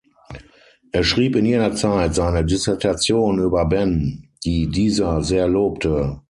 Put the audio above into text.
Er schrieb in jener Zeit seine Dissertation über Benn, die dieser sehr lobte.